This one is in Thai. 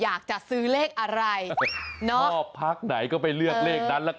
อยากจะซื้อเลขอะไรนอกพักไหนก็ไปเลือกเลขนั้นละกัน